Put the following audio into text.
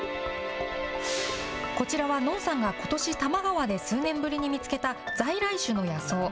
こちらはのんさんがことし多摩川で数年ぶりに見つけた在来種の野草。